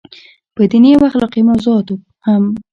پۀ ديني او اخلاقي موضوعاتو هم